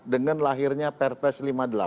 dengan lahirnya perpres lima puluh delapan